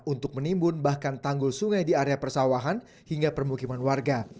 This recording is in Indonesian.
untuk menimbun bahkan tanggul sungai di area persawahan hingga permukiman warga